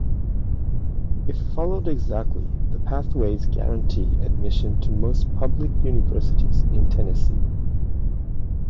If followed exactly, the pathways guarantee admission to most public universities in Tennessee.